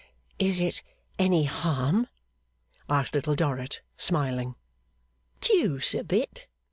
'Is it any harm?' asked Little Dorrit, smiling. 'Deuce a bit!